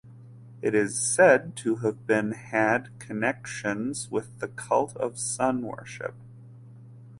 It is said to have been had connections with the cult of sun worship.